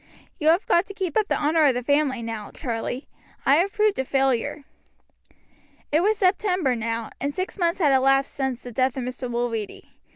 You have got to keep up the honor of the family now, Charlie; I have proved a failure." It was September now, and six months had elapsed since the death of Mr. Mulready.